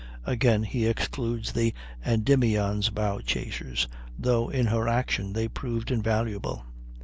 Again, he excludes the Endymion's bow chasers, though in her action they proved invaluable.